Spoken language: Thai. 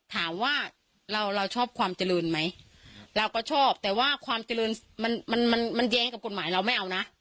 ถามว่าเราเราชอบความเจริญไหมเราก็ชอบแต่ว่าความเจริญมันมันแย้งกับกฎหมายเราไม่เอานะ